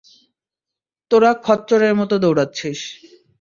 তোরা খচ্চরের মতো দৌড়াচ্ছিস।